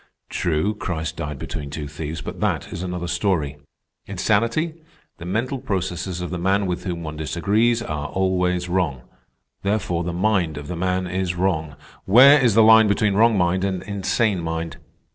True, Christ died between two thieves, but that is another story. Insanity? The mental processes of the man with whom one disagrees, are always wrong. Therefore the mind of the man is wrong. Where is the line between wrong mind and insane mind?